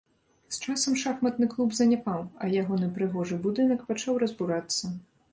З часам шахматны клуб заняпаў, а ягоны прыгожы будынак пачаў разбурацца.